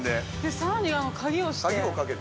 ◆さらに鍵をして。